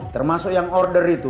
termasuk yang order itu